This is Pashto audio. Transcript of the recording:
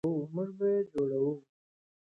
موږ به جوړوو.